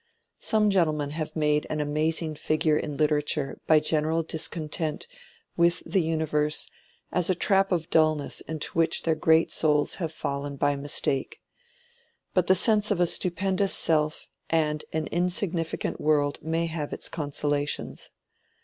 Some gentlemen have made an amazing figure in literature by general discontent with the universe as a trap of dulness into which their great souls have fallen by mistake; but the sense of a stupendous self and an insignificant world may have its consolations.